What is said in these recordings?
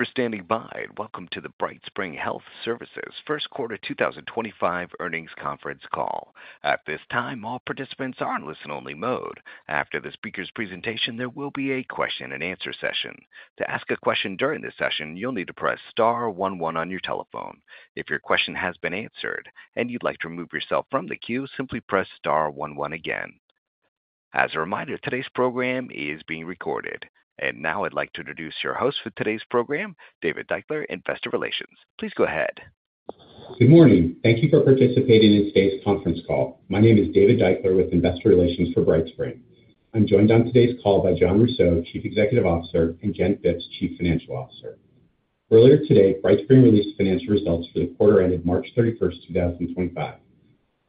For standing by, and welcome to the BrightSpring Health Services First Quarter 2025 Earnings Conference Call. At this time, all participants are in listen-only mode. After the speaker's presentation, there will be a question-and-answer session. To ask a question during this session, you'll need to press star one one on your telephone. If your question has been answered and you'd like to remove yourself from the queue, simply press star one one again. As a reminder, today's program is being recorded. Now I'd like to introduce your host for today's program, David Deuchler at Investor Relations. Please go ahead. Good morning. Thank you for participating in today's conference call. My name is David Deuchler with Investor Relations for BrightSpring. I'm joined on today's call by Jon Rousseau, Chief Executive Officer, and Jen Phipps, Chief Financial Officer. Earlier today, BrightSpring released financial results for the quarter ended March 31st, 2025.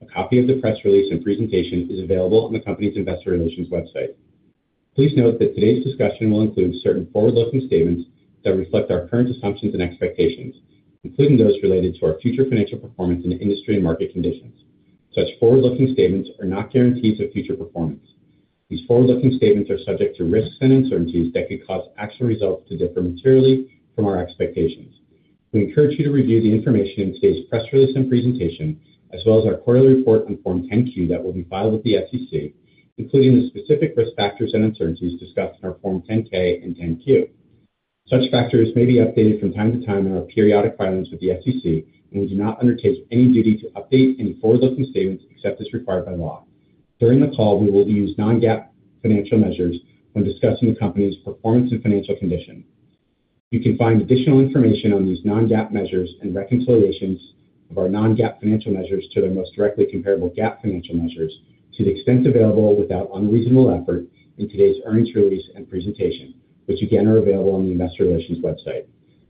A copy of the press release and presentation is available on the company's Investor Relations website. Please note that today's discussion will include certain forward-looking statements that reflect our current assumptions and expectations, including those related to our future financial performance in industry and market conditions. Such forward-looking statements are not guarantees of future performance. These forward-looking statements are subject to risks and uncertainties that could cause actual results to differ materially from our expectations. We encourage you to review the information in today's press release and presentation, as well as our quarterly report on Form 10-Q that will be filed with the SEC, including the specific risk factors and uncertainties discussed in our Form 10-K and 10-Q. Such factors may be updated from time to time in our periodic filings with the SEC, and we do not undertake any duty to update any forward-looking statements except as required by law. During the call, we will use non-GAAP financial measures when discussing the company's performance and financial condition. You can find additional information on these non-GAAP measures and reconciliations of our non-GAAP financial measures to their most directly comparable GAAP financial measures to the extent available without unreasonable effort in today's earnings release and presentation, which again are available on the Investor Relations website.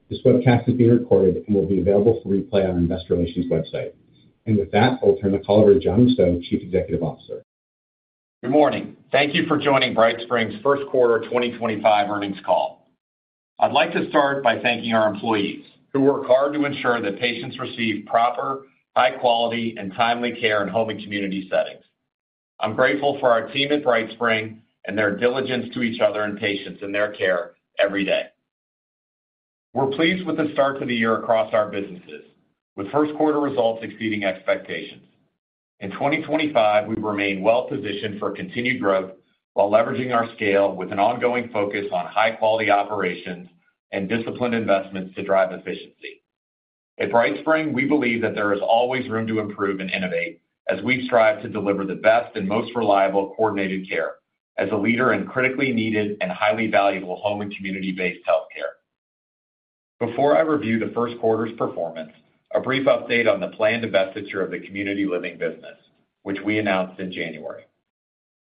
This webcast is being recorded and will be available for replay on the Investor Relations website. With that, I'll turn the call over to Jon Rousseau, Chief Executive Officer. Good morning. Thank you for joining BrightSpring's First Quarter 2025 Earnings Call. I'd like to start by thanking our employees who work hard to ensure that patients receive proper, high-quality, and timely care in home and community settings. I'm grateful for our team at BrightSpring and their diligence to each other and patients in their care every day. We're pleased with the start to the year across our businesses, with first-quarter results exceeding expectations. In 2025, we remain well-positioned for continued growth while leveraging our scale with an ongoing focus on high-quality operations and disciplined investments to drive efficiency. At BrightSpring, we believe that there is always room to improve and innovate as we strive to deliver the best and most reliable coordinated care as a leader in critically needed and highly valuable home and community-based healthcare. Before I review the first quarter's performance, a brief update on the planned divestiture of the community living business, which we announced in January.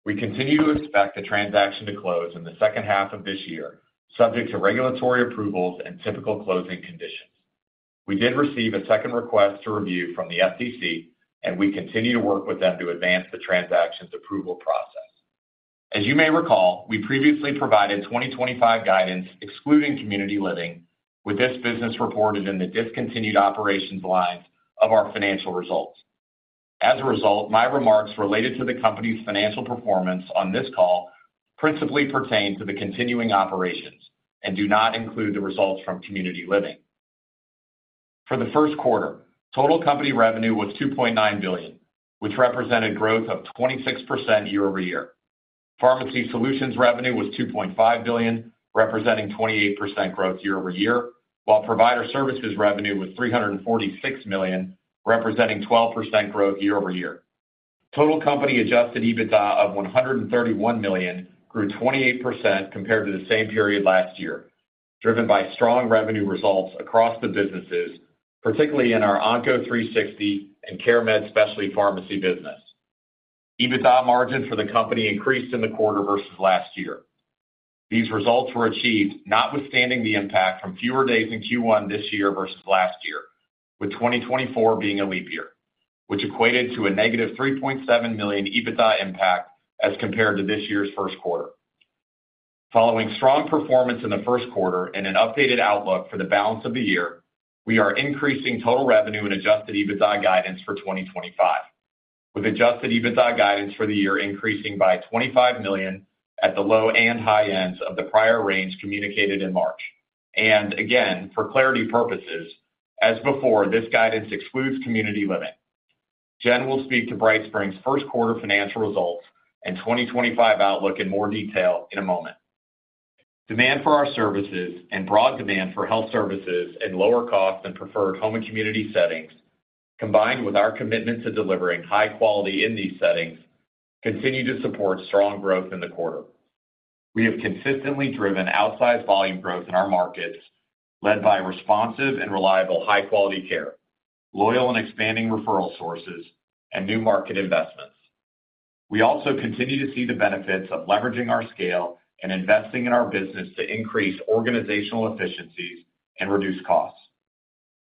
We continue to expect the transaction to close in the second half of this year, subject to regulatory approvals and typical closing conditions. We did receive a second request to review from the FTC, and we continue to work with them to advance the transaction's approval process. As you may recall, we previously provided 2025 guidance excluding community living, with this business reported in the discontinued operations lines of our financial results. As a result, my remarks related to the company's financial performance on this call principally pertain to the continuing operations and do not include the results from community living. For the first quarter, total company revenue was $2.9 billion, which represented growth of 26% year-over-year. Pharmacy solutions revenue was $2.5 billion, representing 28% growth year over year, while provider services revenue was $346 million, representing 12% growth year over year. Total company Adjusted EBITDA of $131 million grew 28% compared to the same period last year, driven by strong revenue results across the businesses, particularly in our Onco360 and CareMed Specialty Pharmacy business. EBITDA margin for the company increased in the quarter versus last year. These results were achieved, notwithstanding the impact from fewer days in Q1 this year versus last year, with 2024 being a leap year, which equated to a negative $3.7 million EBITDA impact as compared to this year's first quarter. Following strong performance in the first quarter and an updated outlook for the balance of the year, we are increasing total revenue and adjusted EBITDA guidance for 2025, with adjusted EBITDA guidance for the year increasing by $25 million at the low and high ends of the prior range communicated in March. For clarity purposes, as before, this guidance excludes community living. Jen will speak to BrightSpring's first quarter financial results and 2025 outlook in more detail in a moment. Demand for our services and broad demand for health services at lower costs and preferred home and community settings, combined with our commitment to delivering high quality in these settings, continue to support strong growth in the quarter. We have consistently driven outsized volume growth in our markets, led by responsive and reliable high-quality care, loyal and expanding referral sources, and new market investments. We also continue to see the benefits of leveraging our scale and investing in our business to increase organizational efficiencies and reduce costs.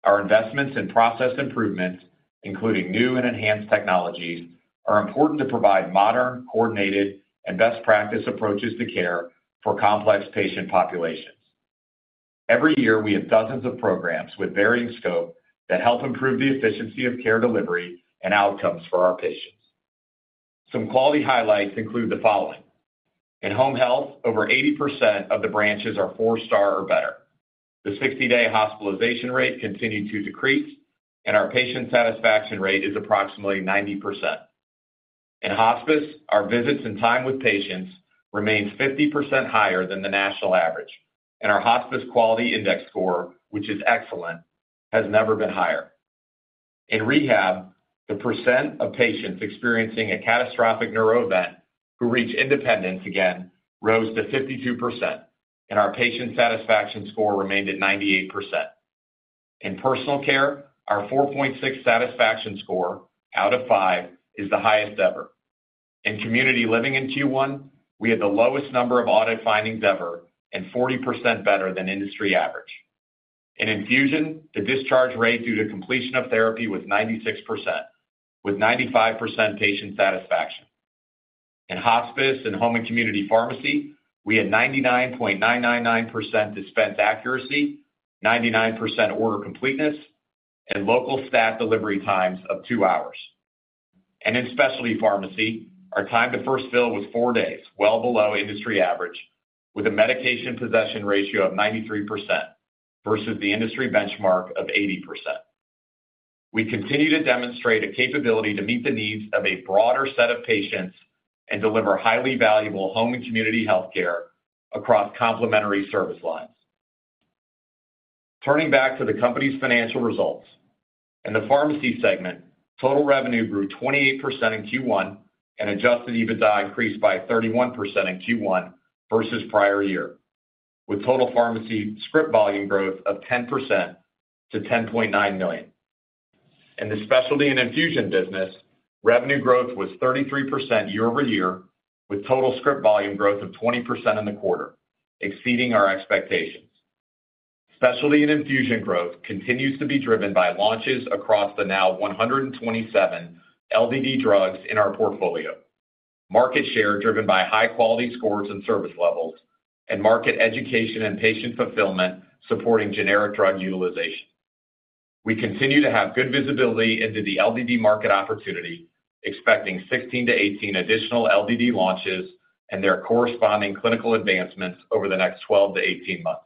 Our investments and process improvements, including new and enhanced technologies, are important to provide modern, coordinated, and best practice approaches to care for complex patient populations. Every year, we have dozens of programs with varying scope that help improve the efficiency of care delivery and outcomes for our patients. Some quality highlights include the following: in home health, over 80% of the branches are four-star or better. The 60-day hospitalization rate continued to decrease, and our patient satisfaction rate is approximately 90%. In hospice, our visits and time with patients remains 50% higher than the national average, and our hospice quality index score, which is excellent, has never been higher. In rehab, the % of patients experiencing a catastrophic neuro event who reach independence again rose to 52%, and our patient satisfaction score remained at 98%. In personal care, our 4.6 satisfaction score out of five is the highest ever. In community living in Q1, we had the lowest number of audit findings ever and 40% better than industry average. In infusion, the discharge rate due to completion of therapy was 96%, with 95% patient satisfaction. In hospice and home and community pharmacy, we had 99.999% dispense accuracy, 99% order completeness, and local staff delivery times of two hours. In specialty pharmacy, our time to first fill was four days, well below industry average, with a medication possession ratio of 93% versus the industry benchmark of 80%. We continue to demonstrate a capability to meet the needs of a broader set of patients and deliver highly valuable home and community healthcare across complementary service lines. Turning back to the company's financial results, in the pharmacy segment, total revenue grew 28% in Q1 and adjusted EBITDA increased by 31% in Q1 versus prior year, with total pharmacy script volume growth of 10% to $10.9 million. In the specialty and infusion business, revenue growth was 33% year over year, with total script volume growth of 20% in the quarter, exceeding our expectations. Specialty and infusion growth continues to be driven by launches across the now 127 LDD drugs in our portfolio, market share driven by high-quality scores and service levels, and market education and patient fulfillment supporting generic drug utilization. We continue to have good visibility into the LDD market opportunity, expecting 16-18 additional LDD launches and their corresponding clinical advancements over the next 12-18 months.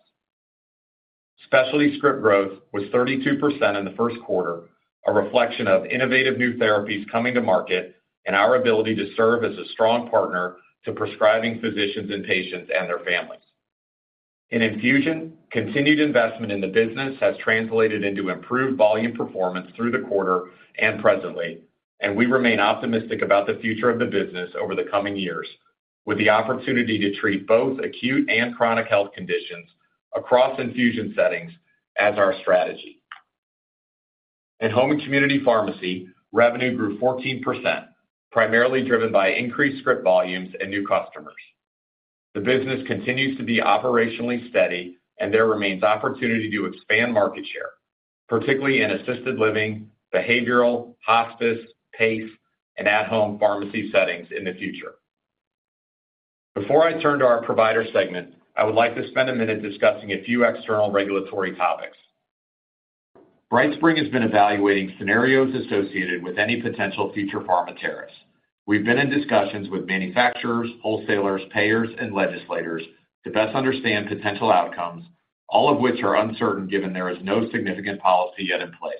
Specialty script growth was 32% in the first quarter, a reflection of innovative new therapies coming to market and our ability to serve as a strong partner to prescribing physicians and patients and their families. In infusion, continued investment in the business has translated into improved volume performance through the quarter and presently, and we remain optimistic about the future of the business over the coming years, with the opportunity to treat both acute and chronic health conditions across infusion settings as our strategy. In home and community pharmacy, revenue grew 14%, primarily driven by increased script volumes and new customers. The business continues to be operationally steady, and there remains opportunity to expand market share, particularly in assisted living, behavioral, hospice, PACE, and at-home pharmacy settings in the future. Before I turn to our provider segment, I would like to spend a minute discussing a few external regulatory topics. BrightSpring has been evaluating scenarios associated with any potential future pharma tariffs. We have been in discussions with manufacturers, wholesalers, payers, and legislators to best understand potential outcomes, all of which are uncertain given there is no significant policy yet in place.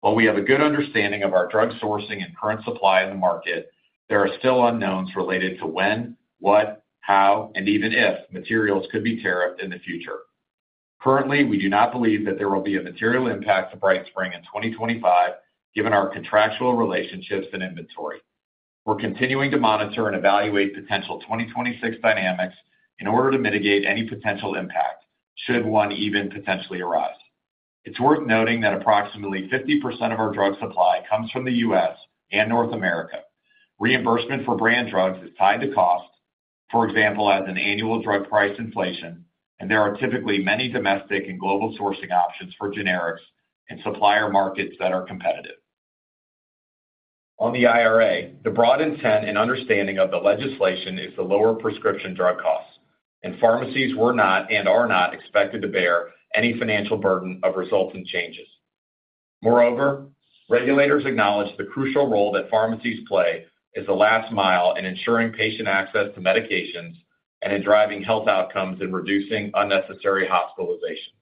While we have a good understanding of our drug sourcing and current supply in the market, there are still unknowns related to when, what, how, and even if materials could be tariffed in the future. Currently, we do not believe that there will be a material impact to BrightSpring in 2025, given our contractual relationships and inventory. We're continuing to monitor and evaluate potential 2026 dynamics in order to mitigate any potential impact, should one even potentially arise. It's worth noting that approximately 50% of our drug supply comes from the U.S. and North America. Reimbursement for brand drugs is tied to cost, for example, as an annual drug price inflation, and there are typically many domestic and global sourcing options for generics in supplier markets that are competitive. On the IRA, the broad intent and understanding of the legislation is to lower prescription drug costs, and pharmacies were not and are not expected to bear any financial burden of resultant changes. Moreover, regulators acknowledge the crucial role that pharmacies play as the last mile in ensuring patient access to medications and in driving health outcomes and reducing unnecessary hospitalizations.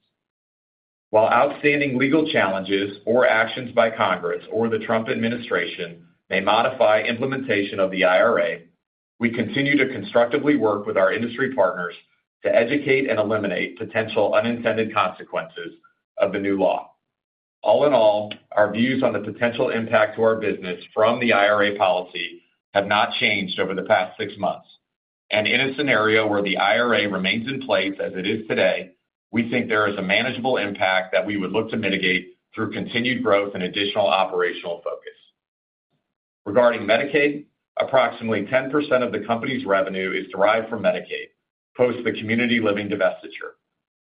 While outstanding legal challenges or actions by Congress or the Trump administration may modify implementation of the IRA, we continue to constructively work with our industry partners to educate and eliminate potential unintended consequences of the new law. All in all, our views on the potential impact to our business from the IRA policy have not changed over the past six months. In a scenario where the IRA remains in place as it is today, we think there is a manageable impact that we would look to mitigate through continued growth and additional operational focus. Regarding Medicaid, approximately 10% of the company's revenue is derived from Medicaid post the community living divestiture,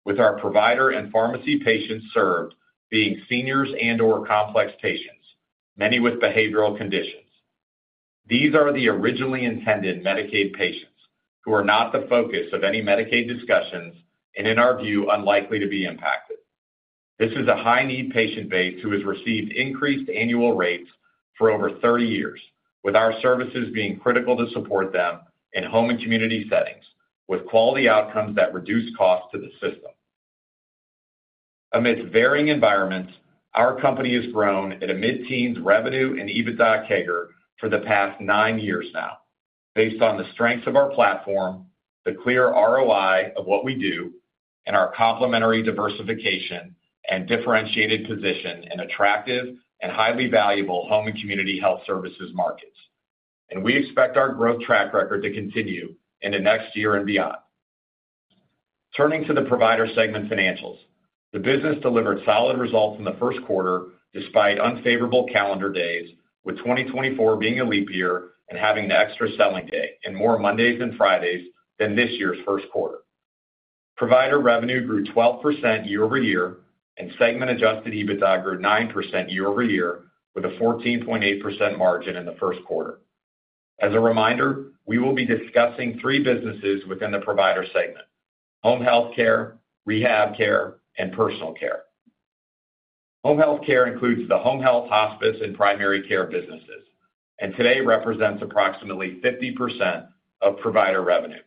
with our provider and pharmacy patients served being seniors and/or complex patients, many with behavioral conditions. These are the originally intended Medicaid patients who are not the focus of any Medicaid discussions and, in our view, unlikely to be impacted. This is a high-need patient base who has received increased annual rates for over 30 years, with our services being critical to support them in home and community settings with quality outcomes that reduce costs to the system. Amidst varying environments, our company has grown at a mid-teens revenue and EBITDA CAGR for the past nine years now, based on the strengths of our platform, the clear ROI of what we do, and our complementary diversification and differentiated position in attractive and highly valuable home and community health services markets. We expect our growth track record to continue into next year and beyond. Turning to the provider segment financials, the business delivered solid results in the first quarter despite unfavorable calendar days, with 2024 being a leap year and having the extra selling day and more Mondays and Fridays than this year's first quarter. Provider revenue grew 12% year-over-year, and segment-adjusted EBITDA grew 9% year over year, with a 14.8% margin in the first quarter. As a reminder, we will be discussing three businesses within the provider segment: home healthcare, rehab care, and personal care. Home healthcare includes the home health, hospice, and primary care businesses, and today represents approximately 50% of provider revenue.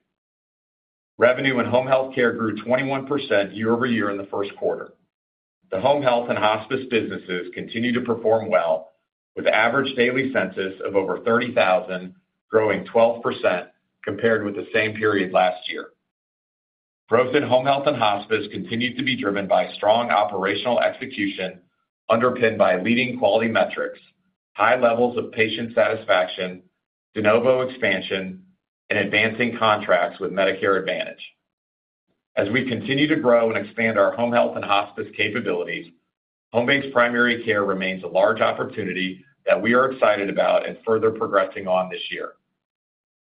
Revenue in home healthcare grew 21% year over year in the first quarter. The home health and hospice businesses continue to perform well, with average daily census of over 30,000 growing 12% compared with the same period last year. Growth in home health and hospice continues to be driven by strong operational execution underpinned by leading quality metrics, high levels of patient satisfaction, de novo expansion, and advancing contracts with Medicare Advantage. As we continue to grow and expand our home health and hospice capabilities, home-based primary care remains a large opportunity that we are excited about and further progressing on this year.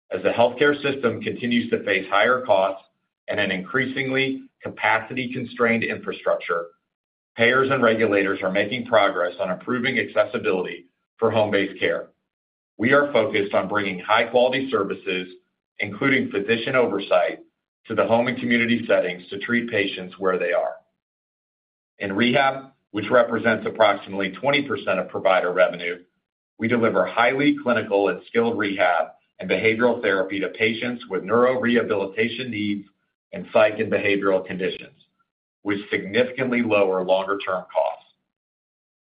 As the healthcare system continues to face higher costs and an increasingly capacity-constrained infrastructure, payers and regulators are making progress on improving accessibility for home-based care. We are focused on bringing high-quality services, including physician oversight, to the home and community settings to treat patients where they are. In rehab, which represents approximately 20% of provider revenue, we deliver highly clinical and skilled rehab and behavioral therapy to patients with neuro rehabilitation needs and psych and behavioral conditions, with significantly lower longer-term costs.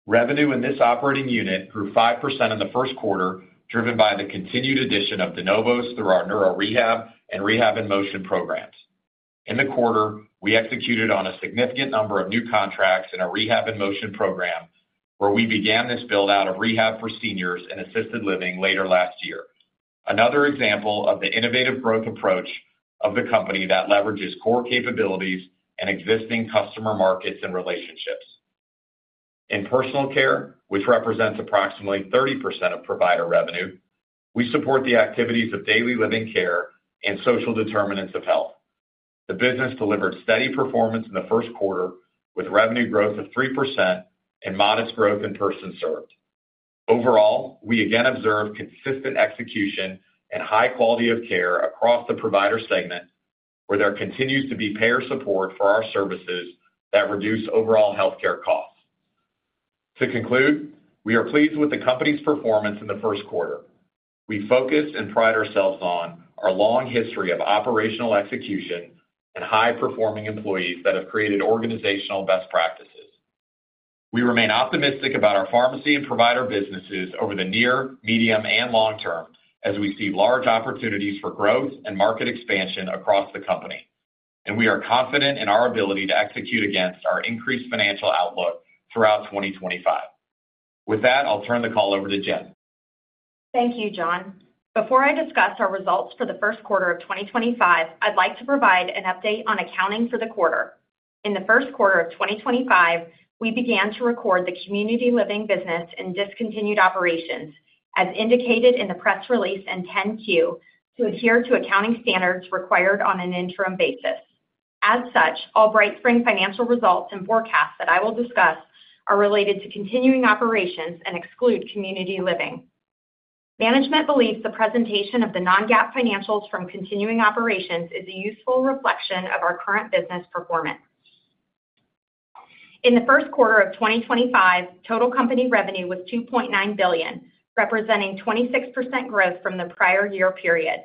Revenue in this operating unit grew 5% in the first quarter, driven by the continued addition of de novos through our neuro rehab and Rehab in Motion programs. In the quarter, we executed on a significant number of new contracts in a Rehab in Motion program, where we began this build-out of rehab for seniors and assisted living later last year, another example of the innovative growth approach of the company that leverages core capabilities and existing customer markets and relationships. In personal care, which represents approximately 30% of provider revenue, we support the activities of daily living care and social determinants of health. The business delivered steady performance in the first quarter, with revenue growth of 3% and modest growth in person served. Overall, we again observed consistent execution and high quality of care across the provider segment, where there continues to be payer support for our services that reduce overall healthcare costs. To conclude, we are pleased with the company's performance in the first quarter. We focused and pride ourselves on our long history of operational execution and high-performing employees that have created organizational best practices. We remain optimistic about our pharmacy and provider businesses over the near, medium, and long term as we see large opportunities for growth and market expansion across the company, and we are confident in our ability to execute against our increased financial outlook throughout 2025. With that, I'll turn the call over to Jen. Thank you, Jon. Before I discuss our results for the first quarter of 2025, I'd like to provide an update on accounting for the quarter. In the first quarter of 2025, we began to record the community living business in discontinued operations, as indicated in the press release and 10-Q, to adhere to accounting standards required on an interim basis. As such, all BrightSpring financial results and forecasts that I will discuss are related to continuing operations and exclude community living. Management believes the presentation of the non-GAAP financials from continuing operations is a useful reflection of our current business performance. In the first quarter of 2025, total company revenue was $2.9 billion, representing 26% growth from the prior year period.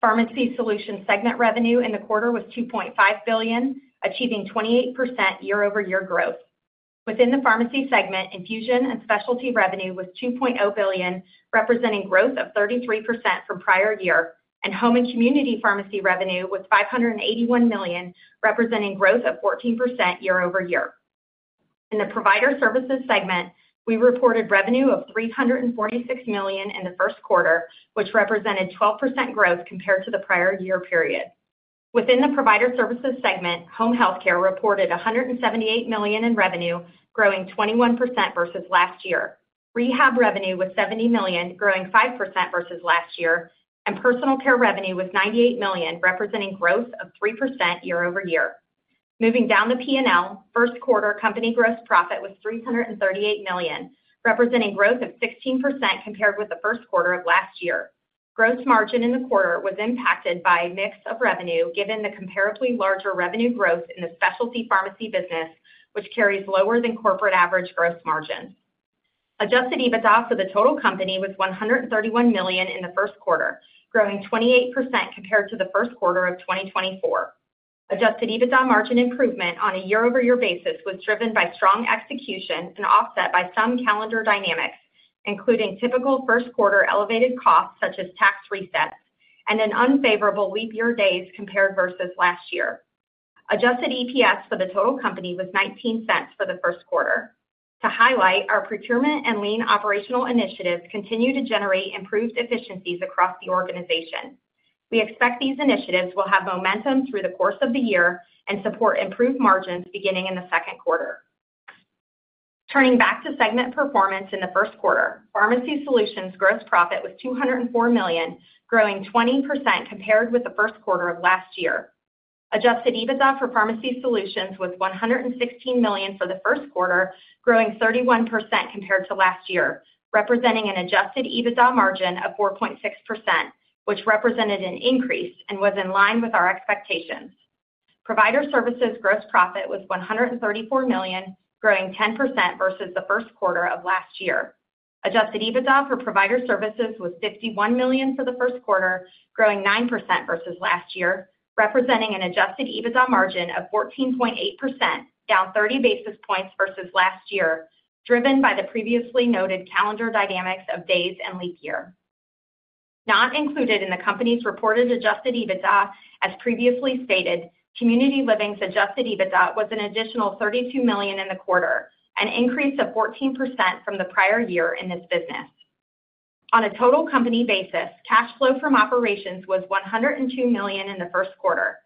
Pharmacy solution segment revenue in the quarter was $2.5 billion, achieving 28% year-over-year growth. Within the pharmacy segment, infusion and specialty revenue was $2.0 billion, representing growth of 33% from prior year, and home and community pharmacy revenue was $581 million, representing growth of 14% year-over-year. In the provider services segment, we reported revenue of $346 million in the first quarter, which represented 12% growth compared to the prior year period. Within the provider services segment, home healthcare reported $178 million in revenue, growing 21% versus last year. Rehab revenue was $70 million, growing 5% versus last year, and personal care revenue was $98 million, representing growth of 3% year-over-year. Moving down the P&L, first quarter company gross profit was $338 million, representing growth of 16% compared with the first quarter of last year. Gross margin in the quarter was impacted by a mix of revenue, given the comparably larger revenue growth in the specialty pharmacy business, which carries lower than corporate average gross margins. Adjusted EBITDA for the total company was $131 million in the first quarter, growing 28% compared to the first quarter of 2024. Adjusted EBITDA margin improvement on a year-over-year basis was driven by strong execution and offset by some calendar dynamics, including typical first quarter elevated costs such as tax resets and an unfavorable leap year days compared versus last year. Adjusted EPS for the total company was $0.19 for the first quarter. To highlight, our procurement and lean operational initiatives continue to generate improved efficiencies across the organization. We expect these initiatives will have momentum through the course of the year and support improved margins beginning in the second quarter. Turning back to segment performance in the first quarter, pharmacy solutions gross profit was $204 million, growing 20% compared with the first quarter of last year. Adjusted EBITDA for pharmacy solutions was $116 million for the first quarter, growing 31% compared to last year, representing an adjusted EBITDA margin of 4.6%, which represented an increase and was in line with our expectations. Provider services gross profit was $134 million, growing 10% versus the first quarter of last year. Adjusted EBITDA for provider services was $51 million for the first quarter, growing 9% versus last year, representing an adjusted EBITDA margin of 14.8%, down 30 basis points versus last year, driven by the previously noted calendar dynamics of days and leap year. Not included in the company's reported adjusted EBITDA, as previously stated, community living's adjusted EBITDA was an additional $32 million in the quarter, an increase of 14% from the prior year in this business. On a total company basis, cash flow from operations was $102 million in the first quarter.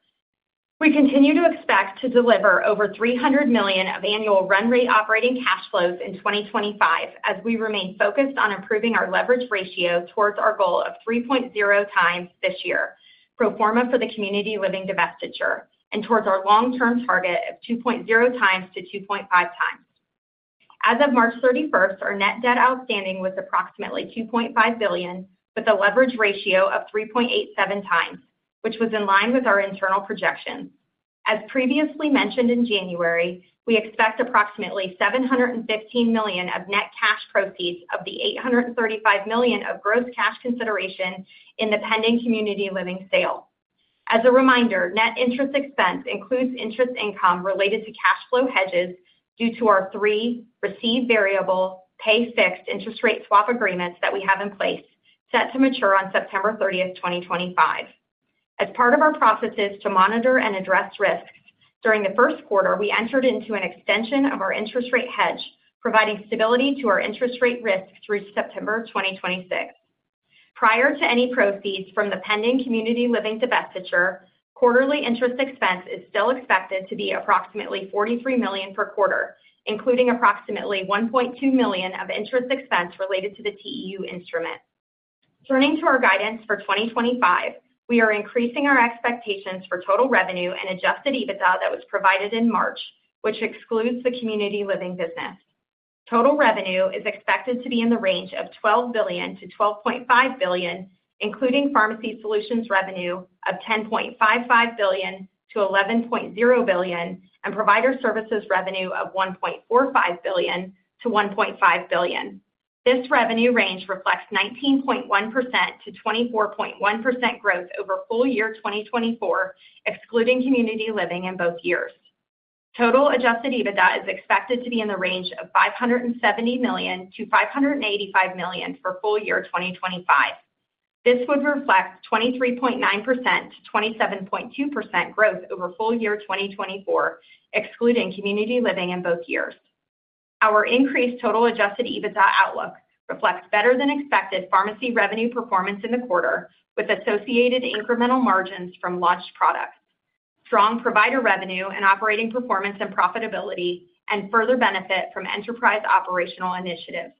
We continue to expect to deliver over $300 million of annual run rate operating cash flows in 2025, as we remain focused on improving our leverage ratio towards our goal of 3.0x this year, pro forma for the community living divestiture, and towards our long-term target of 2.0-2.5x. As of March 31st, our net debt outstanding was approximately $2.5 billion, with a leverage ratio of 3.87x, which was in line with our internal projections. As previously mentioned in January, we expect approximately $715 million of net cash proceeds of the $835 million of gross cash consideration in the pending community living sale. As a reminder, net interest expense includes interest income related to cash flow hedges due to our three receive variable pay fixed interest rate swap agreements that we have in place, set to mature on September 30th, 2025. As part of our processes to monitor and address risks during the first quarter, we entered into an extension of our interest rate hedge, providing stability to our interest rate risk through September 2026. Prior to any proceeds from the pending community living divestiture, quarterly interest expense is still expected to be approximately $43 million per quarter, including approximately $1.2 million of interest expense related to the TEU instrument. Turning to our guidance for 2025, we are increasing our expectations for total revenue and Adjusted EBITDA that was provided in March, which excludes the community living business. Total revenue is expected to be in the range of $12 billion-$12.5 billion, including pharmacy solutions revenue of $10.55 billion-$11.0 billion, and provider services revenue of $1.45 billion-$1.5 billion. This revenue range reflects 19.1%-24.1% growth over full year 2024, excluding community living in both years. Total Adjusted EBITDA is expected to be in the range of $570 million-$585 million for full year 2025. This would reflect 23.9%-27.2% growth over full year 2024, excluding community living in both years. Our increased total adjusted EBITDA outlook reflects better than expected pharmacy revenue performance in the quarter, with associated incremental margins from launched products, strong provider revenue and operating performance and profitability, and further benefit from enterprise operational initiatives.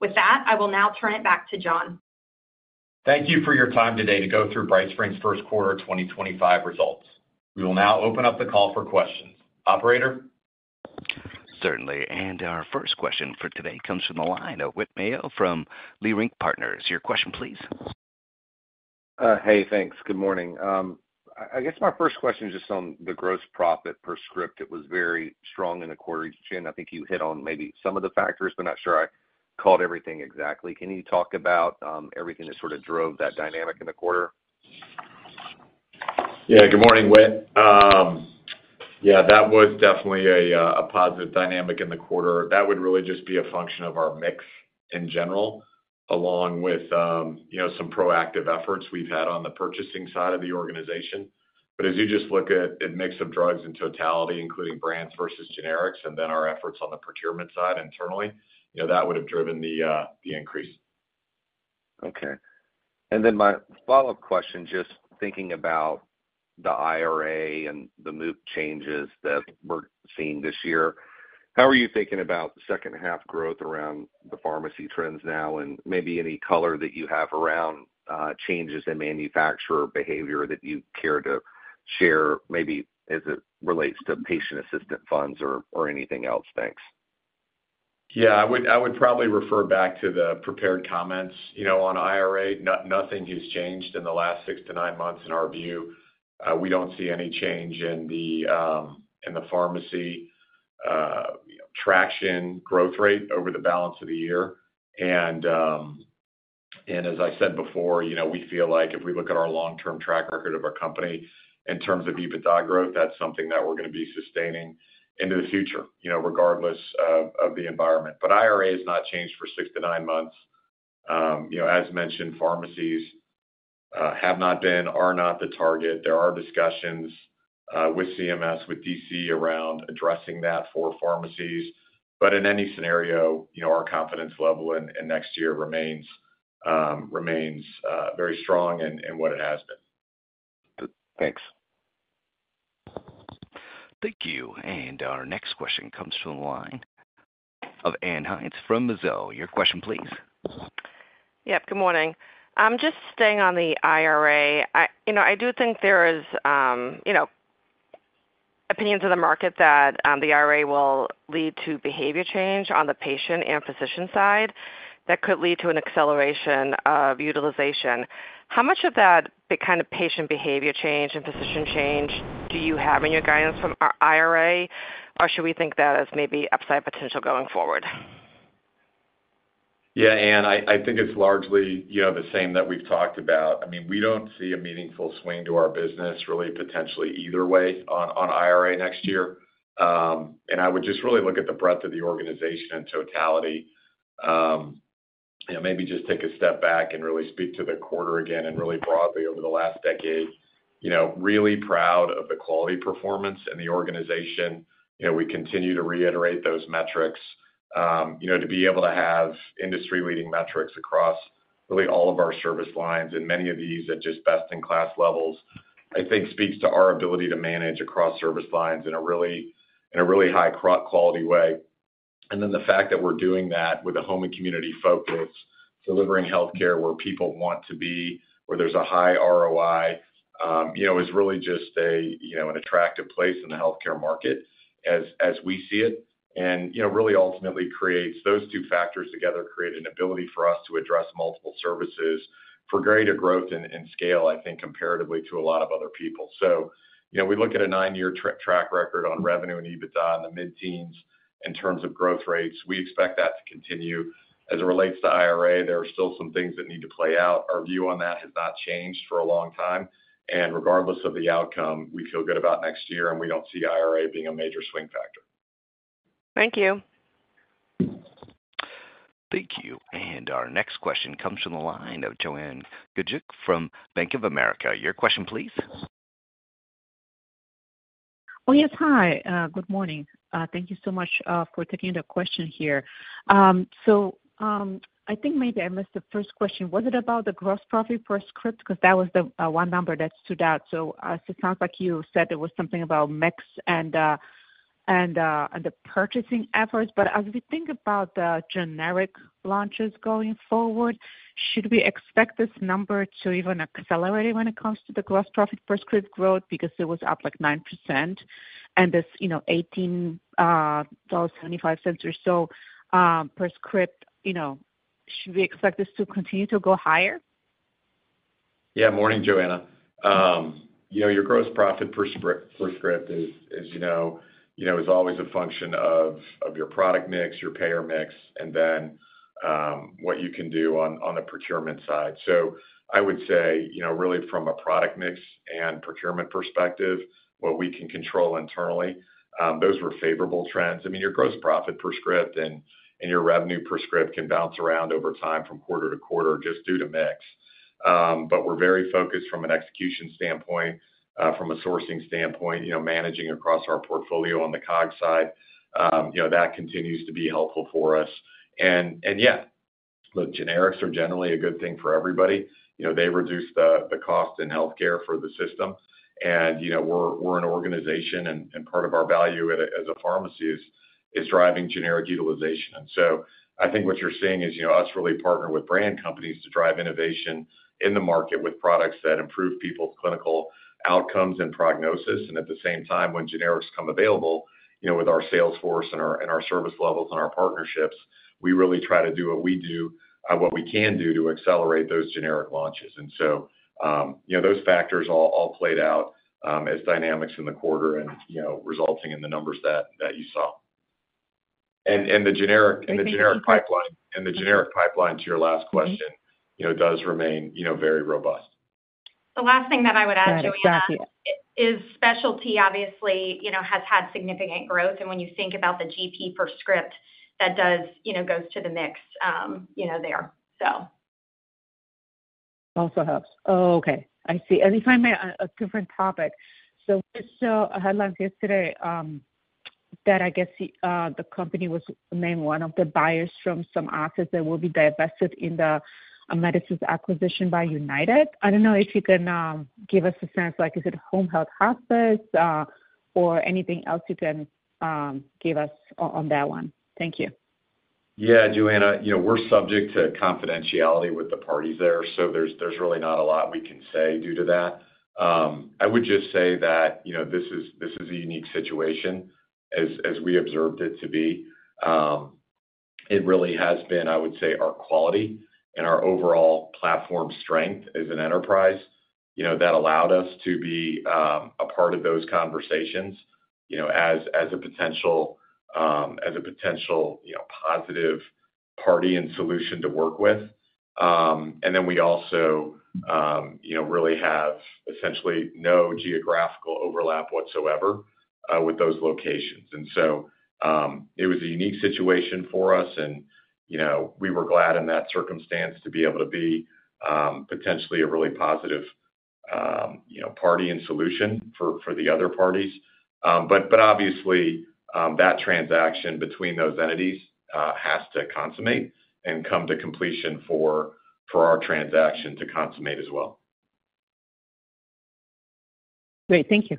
With that, I will now turn it back to Jon. Thank you for your time today to go through BrightSpring's first quarter 2025 results. We will now open up the call for questions. Operator? Certainly. Our first question for today comes from the line of Whit Mayo from Leerink Partners. Your question, please. Hey, thanks. Good morning. I guess my first question is just on the gross profit per script. It was very strong in the quarter. Jen, I think you hit on maybe some of the factors, but not sure I called everything exactly. Can you talk about everything that sort of drove that dynamic in the quarter? Yeah. Good morning, Whit. Yeah, that was definitely a positive dynamic in the quarter. That would really just be a function of our mix in general, along with some proactive efforts we've had on the purchasing side of the organization. As you just look at a mix of drugs in totality, including brands versus generics, and then our efforts on the procurement side internally, that would have driven the increase. Okay. My follow-up question, just thinking about the IRA and the MOOP changes that we're seeing this year, how are you thinking about the second-half growth around the pharmacy trends now and maybe any color that you have around changes in manufacturer behavior that you care to share, maybe as it relates to patient assistant funds or anything else? Thanks. Yeah, I would probably refer back to the prepared comments on IRA. Nothing has changed in the last six to nine months in our view. We do not see any change in the pharmacy traction growth rate over the balance of the year. As I said before, we feel like if we look at our long-term track record of our company in terms of EBITDA growth, that is something that we are going to be sustaining into the future, regardless of the environment. IRA has not changed for six to nine months. As mentioned, pharmacies have not been, are not the target. There are discussions with CMS, with DC around addressing that for pharmacies. In any scenario, our confidence level in next year remains very strong and what it has been. Thanks. Thank you. Our next question comes from the line of Anne Hynes from Mizuho. Your question, please. Yep. Good morning. Just staying on the IRA, I do think there are opinions of the market that the IRA will lead to behavior change on the patient and physician side that could lead to an acceleration of utilization. How much of that kind of patient behavior change and physician change do you have in your guidance from our IRA, or should we think that as maybe upside potential going forward? Yeah, Anne, I think it's largely the same that we've talked about. I mean, we don't see a meaningful swing to our business, really, potentially either way on IRA next year. I would just really look at the breadth of the organization in totality. Maybe just take a step back and really speak to the quarter again and really broadly over the last decade. Really proud of the quality performance and the organization. We continue to reiterate those metrics. To be able to have industry-leading metrics across really all of our service lines, and many of these are just best-in-class levels, I think speaks to our ability to manage across service lines in a really high-quality way. The fact that we're doing that with a home and community focus, delivering healthcare where people want to be, where there's a high ROI, is really just an attractive place in the healthcare market as we see it, and really ultimately creates those two factors together create an ability for us to address multiple services for greater growth and scale, I think, comparatively to a lot of other people. We look at a nine-year track record on revenue and EBITDA in the mid-teens in terms of growth rates. We expect that to continue. As it relates to IRA, there are still some things that need to play out. Our view on that has not changed for a long time. Regardless of the outcome, we feel good about next year, and we don't see IRA being a major swing factor. Thank you. Thank you. Our next question comes from the line of Joanna Gajuk from Bank of America. Your question, please. Yes. Hi. Good morning. Thank you so much for taking the question here. I think maybe I missed the first question. Was it about the gross profit per script? Because that was the one number that stood out. It sounds like you said it was something about mix and the purchasing efforts. As we think about the generic launches going forward, should we expect this number to even accelerate when it comes to the gross profit per script growth? Because it was up like 9%, and this $18.75 or so per script, should we expect this to continue to go higher? Yeah. Morning, Joanna. Your gross profit per script, as you know, is always a function of your product mix, your payer mix, and then what you can do on the procurement side. I would say, really, from a product mix and procurement perspective, what we can control internally, those were favorable trends. I mean, your gross profit per script and your revenue per script can bounce around over time from quarter to quarter just due to mix. We are very focused from an execution standpoint, from a sourcing standpoint, managing across our portfolio on the COG side. That continues to be helpful for us. Yeah, the generics are generally a good thing for everybody. They reduce the cost in healthcare for the system. We are an organization, and part of our value as a pharmacy is driving generic utilization. I think what you're seeing is us really partner with brand companies to drive innovation in the market with products that improve people's clinical outcomes and prognosis. At the same time, when generics come available with our sales force and our service levels and our partnerships, we really try to do what we can do to accelerate those generic launches. Those factors all played out as dynamics in the quarter and resulting in the numbers that you saw. The generic pipeline to your last question does remain very robust. The last thing that I would add, Joanna, is specialty, obviously, has had significant growth. When you think about the GP per script, that goes to the mix there. Oh, perhaps. Oh, okay. I see. If I may, a different topic. We saw a headline yesterday that I guess the company was named one of the buyers from some assets that will be divested in the Amedisys acquisition by United. I don't know if you can give us a sense. Is it home health hospice or anything else you can give us on that one? Thank you. Yeah, Joanna, we're subject to confidentiality with the parties there, so there's really not a lot we can say due to that. I would just say that this is a unique situation as we observed it to be. It really has been, I would say, our quality and our overall platform strength as an enterprise that allowed us to be a part of those conversations as a potential positive party and solution to work with. We also really have essentially no geographical overlap whatsoever with those locations. It was a unique situation for us, and we were glad in that circumstance to be able to be potentially a really positive party and solution for the other parties. Obviously, that transaction between those entities has to consummate and come to completion for our transaction to consummate as well. Great. Thank you.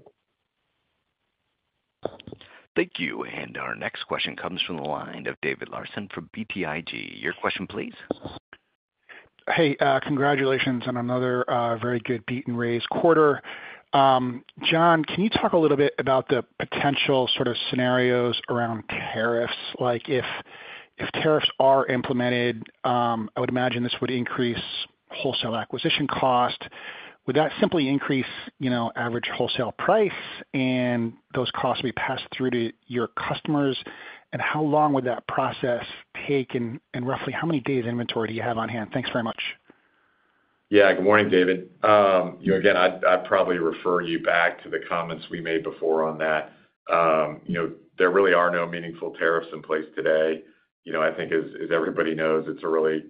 Thank you. Our next question comes from the line of David Larsen from BTIG. Your question, please. Hey, congratulations on another very good beat-and-raise quarter. Jon, can you talk a little bit about the potential sort of scenarios around tariffs? If tariffs are implemented, I would imagine this would increase wholesale acquisition cost. Would that simply increase average wholesale price and those costs be passed through to your customers? How long would that process take? Roughly how many days inventory do you have on hand? Thanks very much. Yeah. Good morning, David. Again, I'd probably refer you back to the comments we made before on that. There really are no meaningful tariffs in place today. I think, as everybody knows, it's a really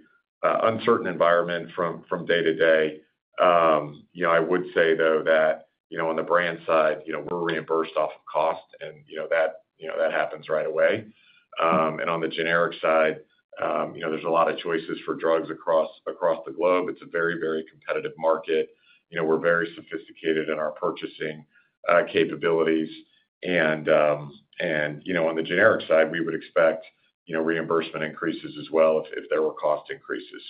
uncertain environment from day to day. I would say, though, that on the brand side, we're reimbursed off of cost, and that happens right away. On the generic side, there's a lot of choices for drugs across the globe. It's a very, very competitive market. We're very sophisticated in our purchasing capabilities. On the generic side, we would expect reimbursement increases as well if there were cost increases.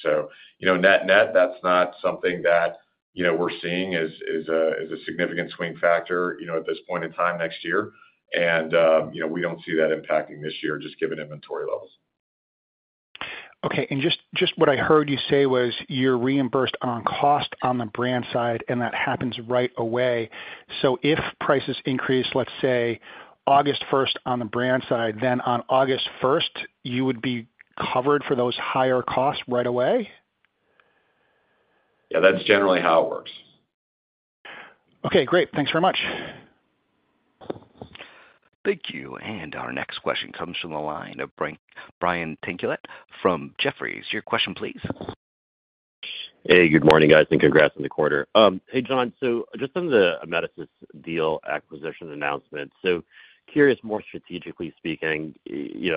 Net-net, that's not something that we're seeing as a significant swing factor at this point in time next year. We don't see that impacting this year, just given inventory levels. Okay. Just what I heard you say was you're reimbursed on cost on the brand side, and that happens right away. If prices increase, let's say, August 1 on the brand side, then on August 1, you would be covered for those higher costs right away? Yeah, that's generally how it works. Okay. Great. Thanks very much. Thank you. Our next question comes from the line of Brian Tanquilut from Jefferies. Your question, please. Hey, good morning, guys. Congrats on the quarter. Hey, Jon. Just on the Amedisys deal acquisition announcement, curious, more strategically speaking,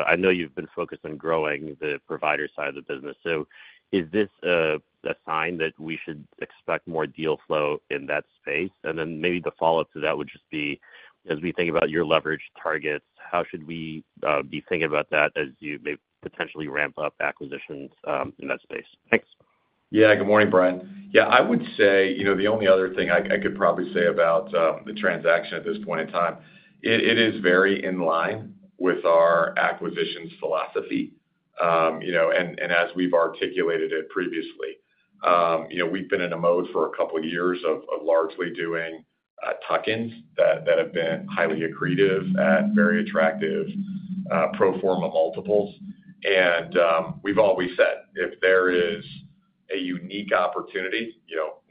I know you've been focused on growing the provider side of the business. Is this a sign that we should expect more deal flow in that space? Maybe the follow-up to that would just be, as we think about your leverage targets, how should we be thinking about that as you may potentially ramp up acquisitions in that space? Thanks. Yeah. Good morning, Brian. Yeah, I would say the only other thing I could probably say about the transaction at this point in time, it is very in line with our acquisitions philosophy and as we've articulated it previously. We've been in a mode for a couple of years of largely doing Tuckins that have been highly accretive at very attractive pro forma multiples. We've always said, if there is a unique opportunity,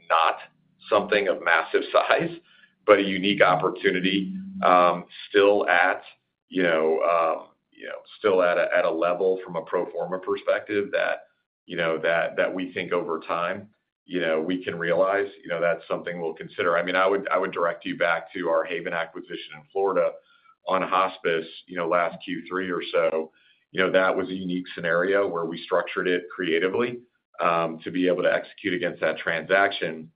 not something of massive size, but a unique opportunity still at a level from a pro forma perspective that we think over time we can realize, that's something we'll consider. I mean, I would direct you back to our Haven acquisition in Florida on Hospice last Q3 or so. That was a unique scenario where we structured it creatively to be able to execute against that transaction.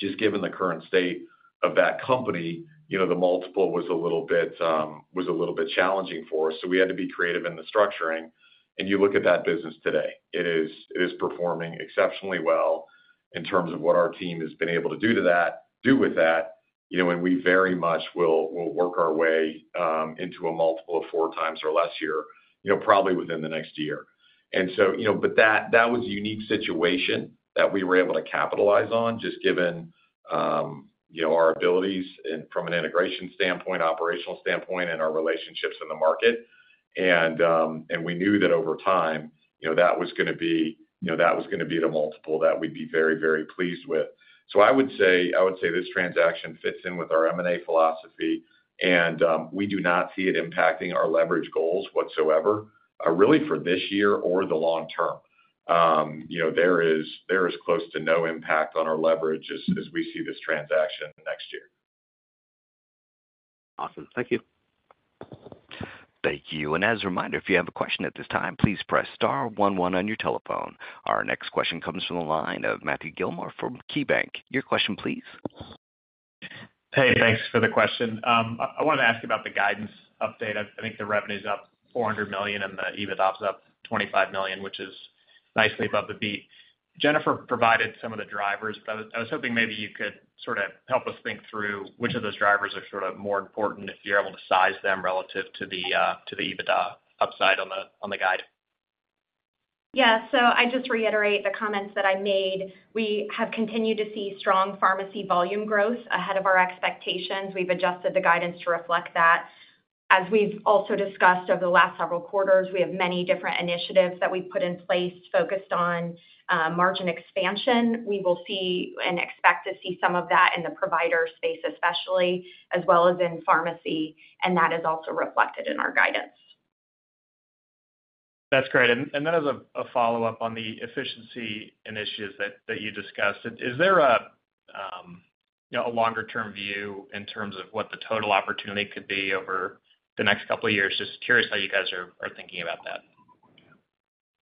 Just given the current state of that company, the multiple was a little bit challenging for us. We had to be creative in the structuring. You look at that business today. It is performing exceptionally well in terms of what our team has been able to do with that. We very much will work our way into a multiple of four times or less here, probably within the next year. That was a unique situation that we were able to capitalize on, just given our abilities from an integration standpoint, operational standpoint, and our relationships in the market. We knew that over time, that was going to be the multiple that we'd be very, very pleased with. I would say this transaction fits in with our M&A philosophy. We do not see it impacting our leverage goals whatsoever, really for this year or the long term. There is close to no impact on our leverage as we see this transaction next year. Awesome. Thank you. Thank you. As a reminder, if you have a question at this time, please press star one one on your telephone. Our next question comes from the line of Matthew Gillmor from KeyBanc. Your question, please. Hey, thanks for the question. I wanted to ask about the guidance update. I think the revenue is up $400 million, and the EBITDA is up $25 million, which is nicely above the beat. Jennifer provided some of the drivers, but I was hoping maybe you could sort of help us think through which of those drivers are sort of more important if you're able to size them relative to the EBITDA upside on the guide. Yeah. I just reiterate the comments that I made. We have continued to see strong pharmacy volume growth ahead of our expectations. We've adjusted the guidance to reflect that. As we've also discussed over the last several quarters, we have many different initiatives that we've put in place focused on margin expansion. We will see and expect to see some of that in the provider space especially, as well as in pharmacy. That is also reflected in our guidance. That's great. That is a follow-up on the efficiency initiatives that you discussed. Is there a longer-term view in terms of what the total opportunity could be over the next couple of years? Just curious how you guys are thinking about that.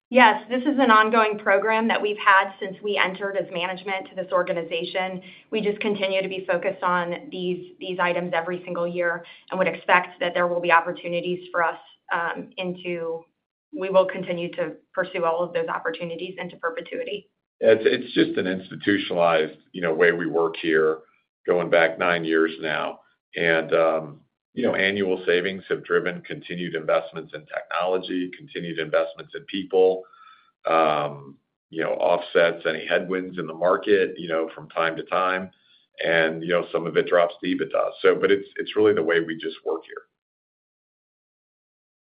Yes. This is an ongoing program that we've had since we entered as management to this organization. We just continue to be focused on these items every single year and would expect that there will be opportunities for us into we will continue to pursue all of those opportunities into perpetuity. It's just an institutionalized way we work here going back nine years now. Annual savings have driven continued investments in technology, continued investments in people, offsets, any headwinds in the market from time to time. Some of it drops to EBITDA. It's really the way we just work here.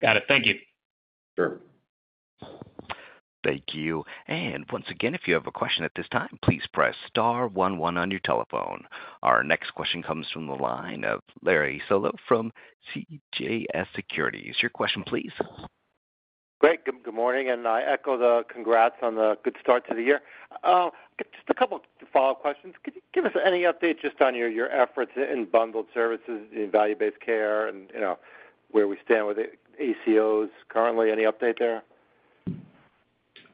Got it. Thank you. Sure. Thank you. Once again, if you have a question at this time, please press star one one on your telephone. Our next question comes from the line of Larry Solow from CJS Securities. Your question, please. Great. Good morning. I echo the congrats on the good start to the year. Just a couple of follow-up questions. Could you give us any update just on your efforts in bundled services and value-based care and where we stand with ACOs currently? Any update there?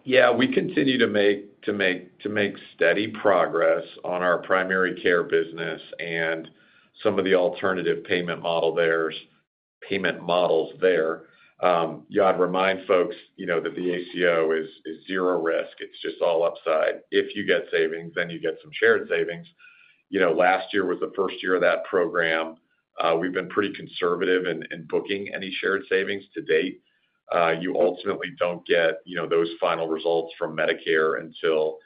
Yeah. We continue to make steady progress on our primary care business and some of the alternative payment models there. You ought to remind folks that the ACO is zero risk. It's just all upside. If you get savings, then you get some shared savings. Last year was the first year of that program. We've been pretty conservative in booking any shared savings to date. You ultimately do not get those final results from Medicare until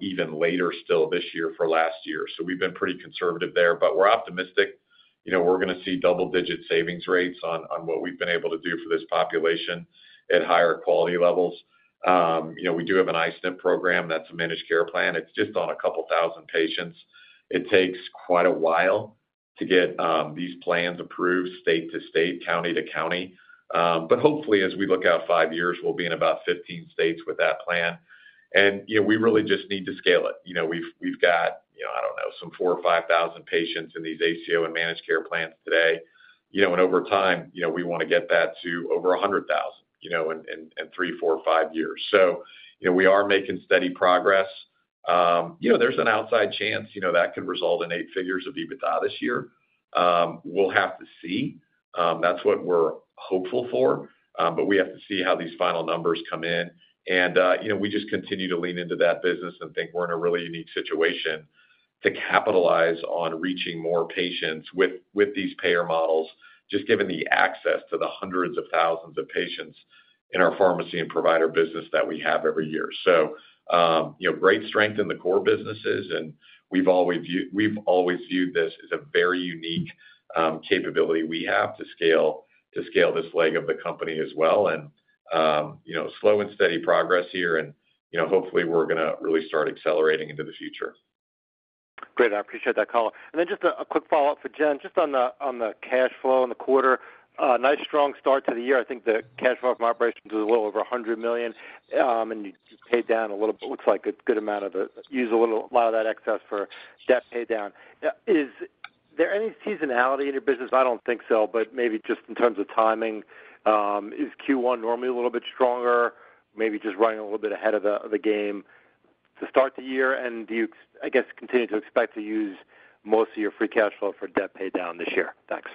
even later still this year for last year. We have been pretty conservative there. We are optimistic. We are going to see double-digit savings rates on what we have been able to do for this population at higher quality levels. We do have an I-SNP program. That is a managed care plan. It is just on a couple thousand patients. It takes quite a while to get these plans approved state to state, county to county. Hopefully, as we look out five years, we will be in about 15 states with that plan. We really just need to scale it. We have, I do not know, some 4,000 or 5,000 patients in these ACO and managed care plans today. Over time, we want to get that to over 100,000 in three, four, or five years. We are making steady progress. There's an outside chance that could result in eight figures of EBITDA this year. We'll have to see. That's what we're hopeful for. We have to see how these final numbers come in. We just continue to lean into that business and think we're in a really unique situation to capitalize on reaching more patients with these payer models, just given the access to the hundreds of thousands of patients in our pharmacy and provider business that we have every year. Great strength in the core businesses. We've always viewed this as a very unique capability we have to scale this leg of the company as well. Slow and steady progress here. Hopefully, we're going to really start accelerating into the future. Great. I appreciate that call. Then just a quick follow-up for Jen, just on the cash flow in the quarter. Nice strong start to the year. I think the cash flow from operations was a little over $100 million. You paid down a little bit. Looks like a good amount of it. You used a lot of that excess for debt pay down. Is there any seasonality in your business? I do not think so, but maybe just in terms of timing. Is Q1 normally a little bit stronger, maybe just running a little bit ahead of the game to start the year? Do you, I guess, continue to expect to use most of your free cash flow for debt pay down this year? Thanks.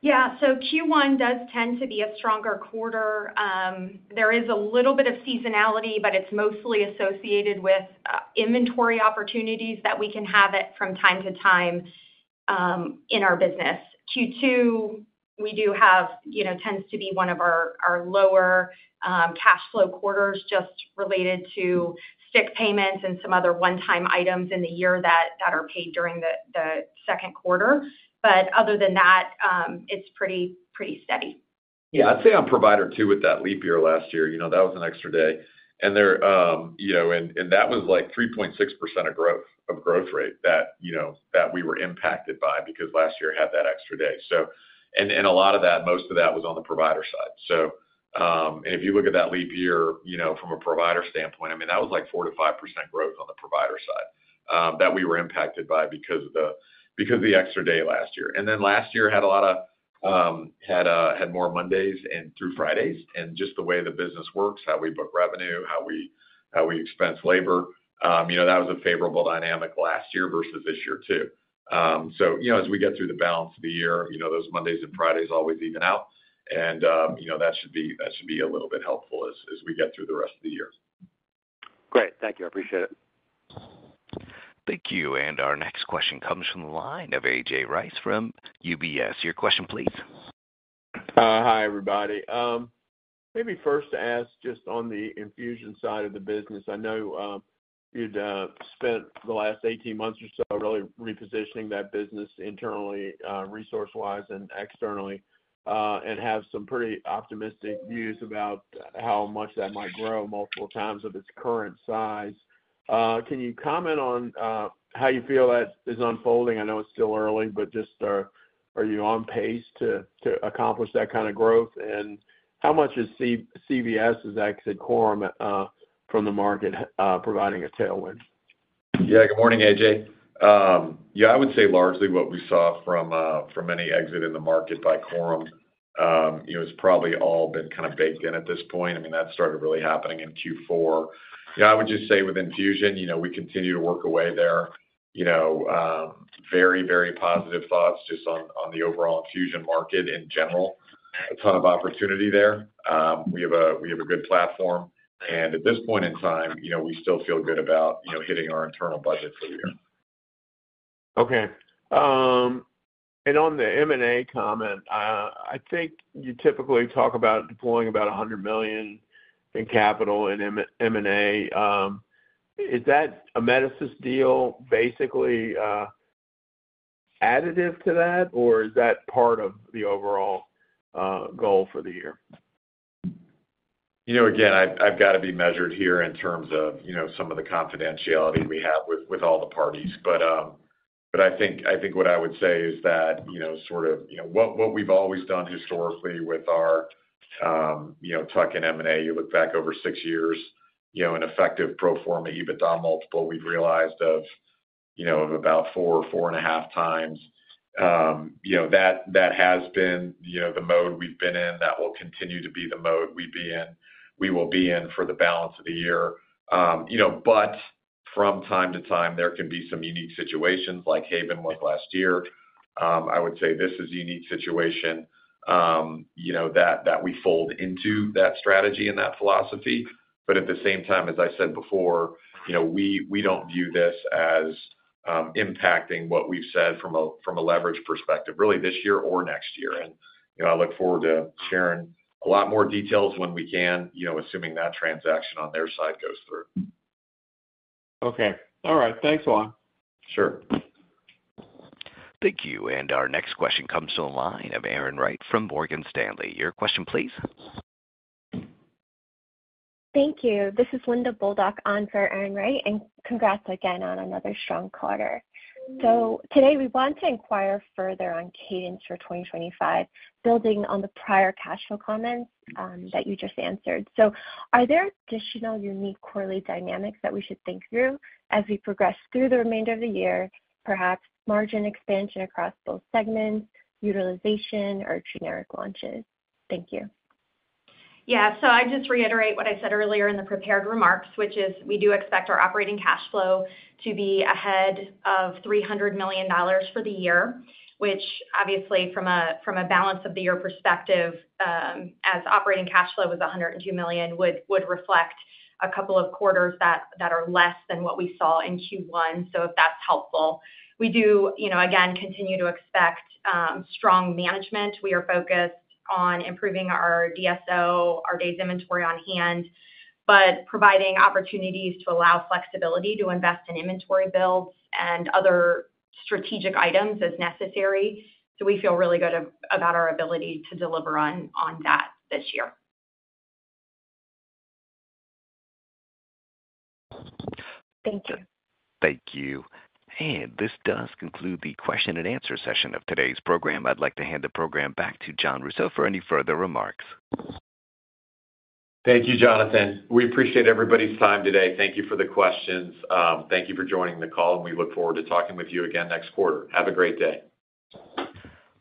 Yeah. Q1 does tend to be a stronger quarter. There is a little bit of seasonality, but it is mostly associated with inventory opportunities that we can have from time to time in our business. Q2, we do have tends to be one of our lower cash flow quarters just related to STIP payments and some other one-time items in the year that are paid during the second quarter. Other than that, it's pretty steady. Yeah. I'd say onprovider too with that leap year last year. That was an extra day. That was like 3.6% of growth rate that we were impacted by because last year had that extra day. A lot of that, most of that was on the provider side. If you look at that leap year from a provider standpoint, that was like 4-5% growth on the provider side that we were impacted by because of the extra day last year. Last year had a lot of had more Mondays and through Fridays. Just the way the business works, how we book revenue, how we expense labor, that was a favorable dynamic last year versus this year too. As we get through the balance of the year, those Mondays and Fridays always even out. That should be a little bit helpful as we get through the rest of the year. Great. Thank you. I appreciate it. Thank you. Our next question comes from the line of A.J. Rice from UBS. Your question, please. Hi, everybody. Maybe first to ask just on the infusion side of the business. I know you'd spent the last 18 months or so really repositioning that business internally, resource-wise and externally, and have some pretty optimistic views about how much that might grow multiple times of its current size. Can you comment on how you feel that is unfolding? I know it's still early, but just are you on pace to accomplish that kind of growth? And how much is CVS, as I said, Coram, from the market providing a tailwind? Yeah. Good morning, A.J. Yeah, I would say largely what we saw from any exit in the market by Coram has probably all been kind of baked in at this point. I mean, that started really happening in Q4. I would just say with infusion, we continue to work away there. Very, very positive thoughts just on the overall infusion market in general. A ton of opportunity there. We have a good platform. And at this point in time, we still feel good about hitting our internal budget for the year. Okay. And on the M&A comment, I think you typically talk about deploying about $100 million in capital in M&A. Is that Amedisys deal basically additive to that, or is that part of the overall goal for the year? Again, I have got to be measured here in terms of some of the confidentiality we have with all the parties. I think what I would say is that sort of what we have always done historically with our tuck-in M&A, you look back over six years, an effective pro forma EBITDA multiple we have realized of about four or four and a half times. That has been the mode we have been in. That will continue to be the mode we will be in for the balance of the year. From time to time, there can be some unique situations like Haven was last year. I would say this is a unique situation that we fold into that strategy and that philosophy. At the same time, as I said before, we do not view this as impacting what we have said from a leverage perspective, really this year or next year. I look forward to sharing a lot more details when we can, assuming that transaction on their side goes through. Okay. All right. Thanks, Jon. Sure. Thank you. Our next question comes from the line of Aaron Wright from Morgan Stanley. Your question, please. Thank you. This is Linda Bolduc on for Aaron Wright. Congrats again on another strong quarter. Today, we want to inquire further on cadence for 2025, building on the prior cash flow comments that you just answered. Are there additional unique quarterly dynamics that we should think through as we progress through the remainder of the year, perhaps margin expansion across both segments, utilization, or generic launches? Thank you. Yeah. I just reiterate what I said earlier in the prepared remarks, which is we do expect our operating cash flow to be ahead of $300 million for the year, which obviously from a balance of the year perspective, as operating cash flow was $102 million, would reflect a couple of quarters that are less than what we saw in Q1. If that's helpful. We do, again, continue to expect strong management. We are focused on improving our DSO, our days inventory on hand, but providing opportunities to allow flexibility to invest in inventory builds and other strategic items as necessary. We feel really good about our ability to deliver on that this year. Thank you. Thank you. This does conclude the question and answer session of today's program. I'd like to hand the program back to Jon Rousseau for any further remarks. Thank you, Jonathan. We appreciate everybody's time today. Thank you for the questions. Thank you for joining the call. We look forward to talking with you again next quarter. Have a great day.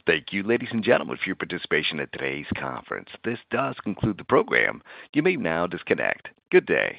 Thank you, ladies and gentlemen, for your participation in today's conference. This does conclude the program. You may now disconnect. Good day.